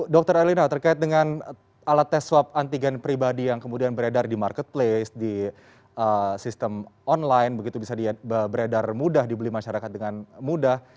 dr erlina terkait dengan alat tes swab antigen pribadi yang kemudian beredar di marketplace di sistem online begitu bisa beredar mudah dibeli masyarakat dengan mudah